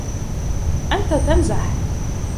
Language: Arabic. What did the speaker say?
أنت تمزح!